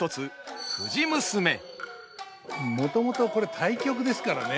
もともとこれ大曲ですからね。